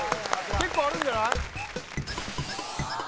結構あるんじゃない？